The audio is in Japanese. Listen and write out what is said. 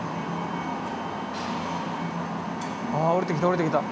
ああおりてきたおりてきた。